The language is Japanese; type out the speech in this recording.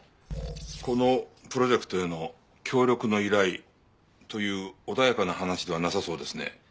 このプロジェクトへの協力の依頼という穏やかな話ではなさそうですね。